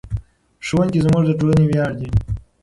ښوونکي زموږ د ټولنې ویاړ دي.